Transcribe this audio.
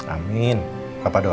amin papa doa ya